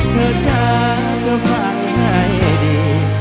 เธอจะจะฟังให้ดี